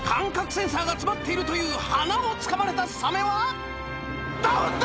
センサーが詰まっているという鼻をつかまれたサメはダウンだ！